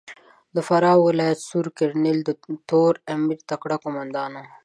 د فراه ولایت سور کرنېل د تور امیر تکړه کومندان ؤ.